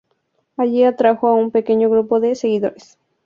Allí atrajo a un pequeño grupo de seguidores.